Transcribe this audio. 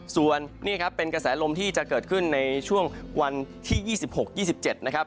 ส่วนนี่ครับเป็นกระแสลมที่จะเกิดขึ้นในช่วงวันที่๒๖๒๗นะครับ